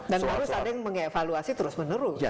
dan harus saling mengevaluasi terus menerus